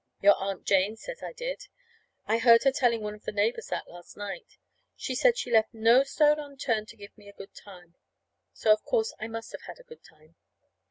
Your Aunt Jane says I did. I heard her telling one of the neighbors that last night. She said she left no stone unturned to give me a good time. So, of course, I must have had a good time.